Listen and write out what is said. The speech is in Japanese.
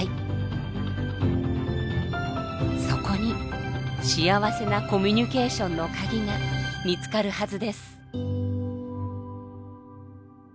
そこに幸せなコミュニケーションの鍵が見つかるはずです。